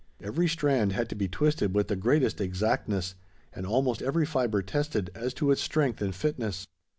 Every strand had to be twisted with the greatest exactness; and almost every fibre tested, as to its strength and fitness.